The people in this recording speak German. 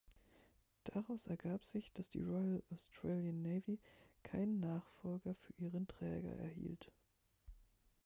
Daraus ergab sich, dass die Royal Australian Navy keinen Nachfolger für ihren Träger erhielt.